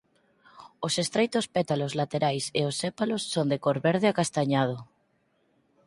Os estreitos pétalos laterais e os sépalos son de cor verde acastañado.